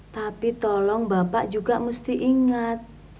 tapi tolong bapak juga mesti ingat